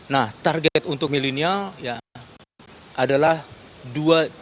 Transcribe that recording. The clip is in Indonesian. nah target untuk milenial adalah dua juta setara